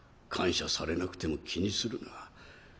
感謝されなくても気にするな。